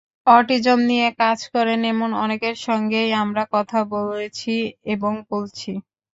Autism নিয়ে কাজ করেন এমন অনেকের সঙ্গেই আমরা কথা বলেছি এবং বলছি।